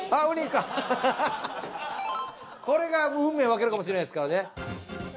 これが運命分けるかもしれないですからね。